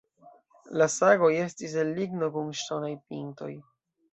La sagoj estis el ligno kun ŝtonaj pintoj.